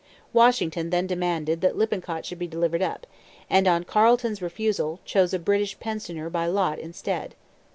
Washington then demanded that Lippincott should be delivered up; and, on Carleton's refusal, chose a British prisoner by lot instead.